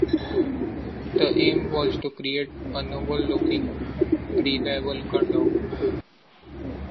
The aim was to create a noble-looking, reliable gun dog.